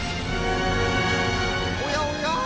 おやおや？